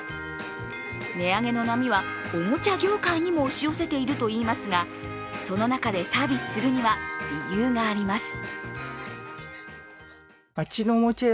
値上げの波はおもちゃ業界にも押し寄せているといいますがその中でサービスするには理由があります。